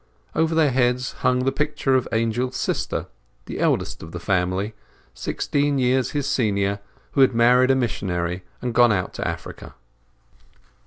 Over their heads hung the picture of Angel's sister, the eldest of the family, sixteen years his senior, who had married a missionary and gone out to Africa.